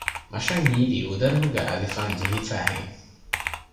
މަށަށް ހީވީ އުދަރެހުގައި އަލިފާން ޖެހިފައި ހެން